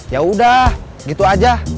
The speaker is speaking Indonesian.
yaudah gitu aja